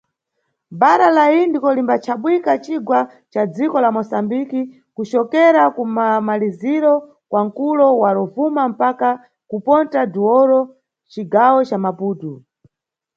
Bhara la Indiko limbachabwika mcigwa ca dziko la Moçambike, kucokera ku mamaliziro kwa mkulo wa Rovuma mpaka ku Ponta do Ouro, mʼcigawo ca Maputo.